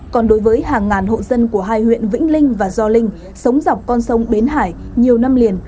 còn đối với hàng ngàn hộ dân của hai huyện vĩnh linh và gio linh sống dọc con sông bến hải nhiều năm liền